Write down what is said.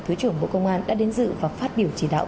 thứ trưởng bộ công an đã đến dự và phát biểu chỉ đạo